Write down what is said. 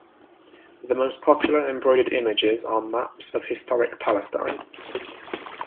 The most popular embroidered images are maps of historic Palestine.